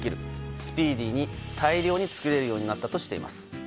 スピーディーに大量に作れるようになったとしています。